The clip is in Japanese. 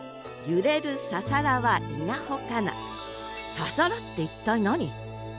「ササラ」って一体何？